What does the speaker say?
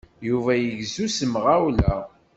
Yuba igezzu s temɣawla.